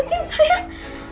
tak terlalu dekat sayang